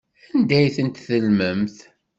Anda ay tent-tellmemt?